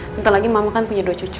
sebentar lagi mama kan punya dua cucu